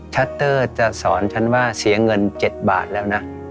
ชัตเตอร์จะสอนฉันว่าเสียเงิน๗บาทแล้วนะ